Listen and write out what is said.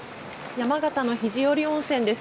山形の肘折温泉です。